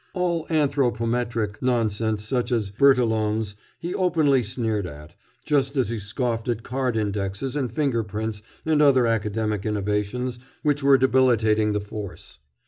All anthropometric nonsense such as Bertillon's he openly sneered at, just as he scoffed at card indexes and finger prints and other academic innovations which were debilitating the force.